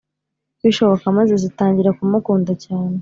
bishoboka maze zitangira kumukunda cyane,